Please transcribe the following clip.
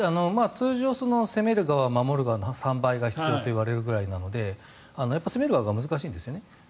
通常攻める側は守る側の３倍必要といわれるくらいなので攻める側が難しいんです。